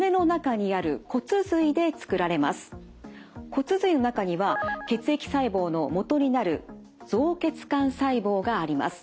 骨髄の中には血液細胞のもとになる造血幹細胞があります。